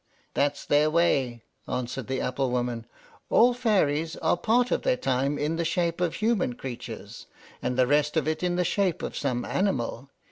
"That's their way," answered the apple woman. "All fairies are part of their time in the shape of human creatures, and the rest of it in the shape of some animal.